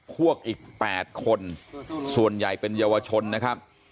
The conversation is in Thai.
พวกอีก๘คนส่วนใหญ่เป็นเยาวชนนะครับ